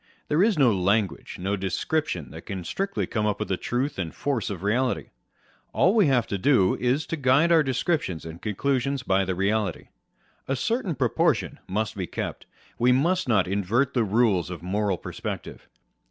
There is no language, no descrip tion that can strictly come up to the truth and force of reality : all we have to do is to guide our descriptions and conclusions by the reality. A certain proportion must be kept : we must not invert the rules of moral perspective.